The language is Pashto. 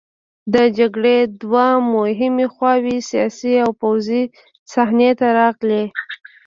د جګړې دوه مهمې خواوې د سیاسي او پوځي صحنې ته راغلې.